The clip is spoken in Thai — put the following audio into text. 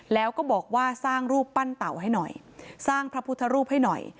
แล้วก็บอกว่าสร้างรูปปั้นเต่าให้หน่อยสร้างพระพุทธรูปให้หน่อย